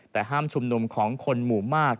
แต่ห้ามชุมนุมของคนหมู่มาก